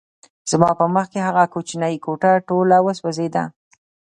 زما په مخکې هغه کوچنۍ کوټه ټوله وسوځېده